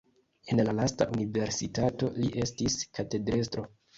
En la lasta universitato li estis katedrestro.